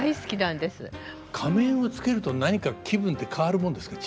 仮面をつけると何か気分て変わるもんですか？